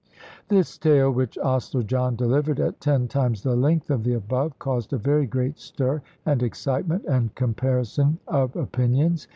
This tale, which Ostler John delivered at ten times the length of the above, caused a very great stir and excitement and comparison of opinions.